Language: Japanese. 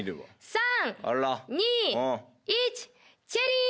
３２１チェリー！